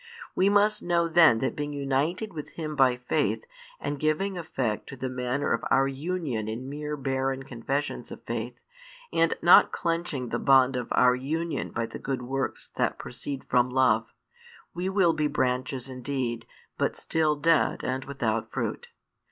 We must know then that being united with Him by faith, and giving effect to the manner of our union in mere barren confessions of faith, and not clenching the bond of our union by the good works that proceed from love, we will be branches indeed, but still dead and without fruit.